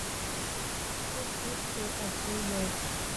Хыхь иқәтәоу аӡәы иоуп…